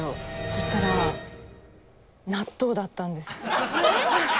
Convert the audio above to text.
そしたら納豆だったんです。